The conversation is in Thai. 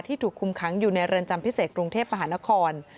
ถูกคุมขังอยู่ในเรือนจำพิเศษกรุงเทพมหานคร